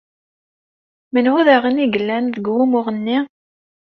Menhu daɣen i yellan deg wumuɣ-nni?